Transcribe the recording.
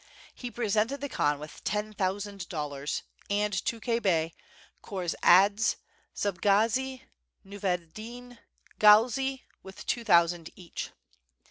He presented the Khan with ten thousand dollars and Tukhay Bey, Korz Adze, Suba gazi, Nuv ed Din Galzi, with two thousand each.